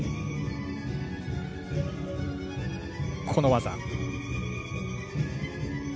この技。